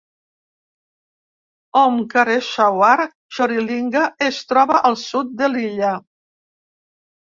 Omkareshwar Jyotirlinga es troba al sud de l'illa.